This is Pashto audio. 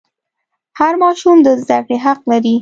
هر ماشوم د زده کړې حق لري.